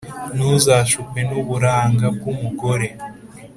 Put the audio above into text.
Ntuzashukwe n’uburanga bw’umugore,